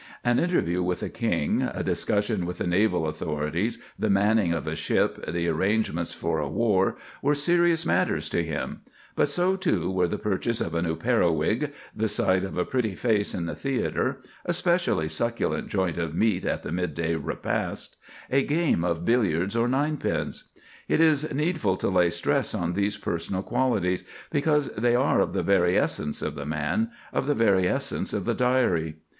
An interview with the King, a discussion with the naval authorities, the manning of a ship, the arrangements for a war, were serious matters to him; but so, too, were the purchase of a new periwig, the sight of a pretty face in the theatre, a specially succulent joint of meat at the midday repast, a game of billiards or ninepins. It is needful to lay stress on these personal qualities, because they are of the very essence of the man, of the very essence of the Diary.